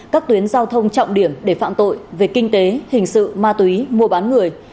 các tuyến giao thông trọng điểm để phạm tội về kinh tế hình sự ma túy mua bán người